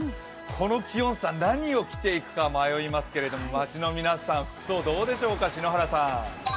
この気温差何を着ていくか迷いますけれども、街の皆さん、服装どうでしょうか。